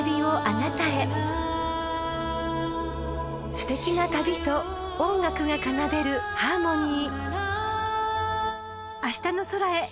［すてきな旅と音楽が奏でるハーモニー］